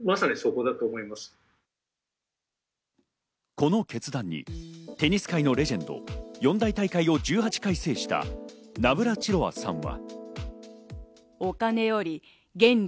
この決断にテニス界のレジェンド、四大大会を１８回制したナブラチロワさんは。